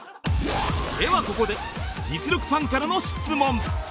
ではここで実力ファンからの質問